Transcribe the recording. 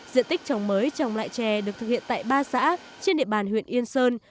diện tích trồng mới trồng lại chè được thực hiện tại ba xã trên địa bàn huyện yên sơn